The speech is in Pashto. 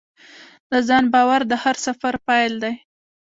د ځان باور د هر سفر پیل دی.